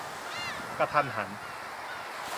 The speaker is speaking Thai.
กะทันหัน